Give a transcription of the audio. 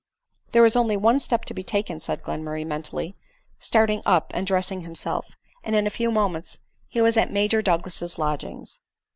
" There is only one step to be taken," said Glenmurray mentally, starting up and dressing himself; and in a few moments he was at Major Douglas's lodgings.